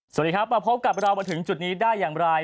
สวัสดีครับมาพบกับเรามาถึงจุดนี้ได้อย่างไร